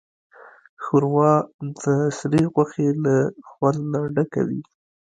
ښوروا د سرې غوښې له خوند نه ډکه وي.